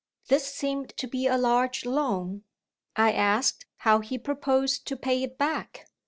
This seemed to be a large loan; I asked how he proposed to pay it back.